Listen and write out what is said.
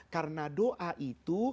karena doa itu